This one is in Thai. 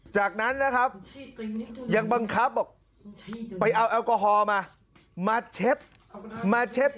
จากนั้นนะครับ